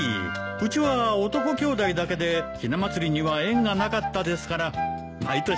うちは男兄弟だけでひな祭りには縁がなかったですから毎年楽しみで。